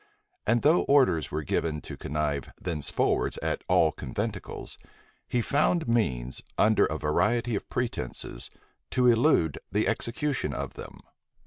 And though orders were given to connive thenceforwards at all conventicles, he found means, under a variety of pretences, to elude the execution of them.